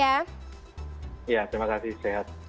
ya terima kasih sehat